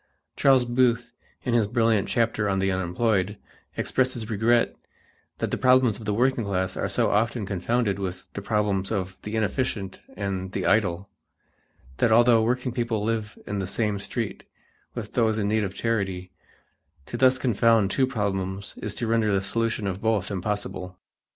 Charles Booth, in his brilliant chapter on the unemployed, expresses regret that the problems of the working class are so often confounded with the problems of the inefficient and the idle, that although working people live in the same street with those in need of charity, to thus confound two problems is to render the solution of both impossible.